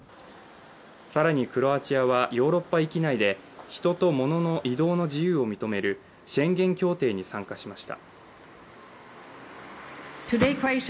更にクロアチアはヨーロッパ域内で人と物の移動の自由を認めるシェンゲン協定に参加しました。